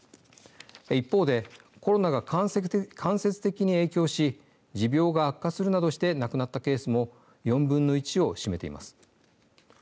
一方で、コロナが間接的に影響し持病が悪化するなどして亡くなったケースも４分の１を占めています。